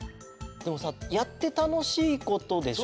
でもさやってたのしいことでしょ。